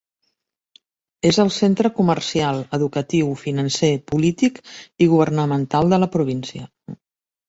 És el centre comercial, educatiu, financer, polític i governamental de la província.